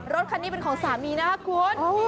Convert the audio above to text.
รถคันนี้เป็นของสามีนะคุณ